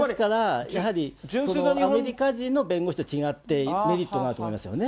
アメリカ人の弁護士と違って、メリットがあると思いますよね。